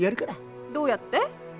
どうやって？